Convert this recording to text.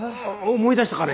思い出したかね。